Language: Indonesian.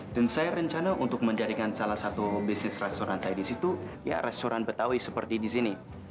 dan saya rencana untuk menjadikan salah satu bisnis restoran saya di situ ya restoran betawi seperti di sini